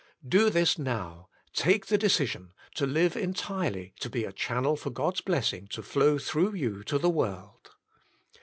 Do this now, take the decision, to Live Entirely to Be a Channel for God's Blessing to Flow through You TO THE World.